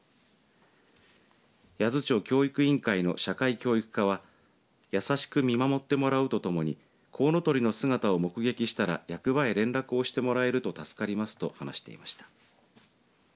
八頭町教育委員会の社会教育課は優しく見守ってもらうとともにコウノトリの姿を目撃したら役場へ連絡をしてもらえると助かりますと話していました。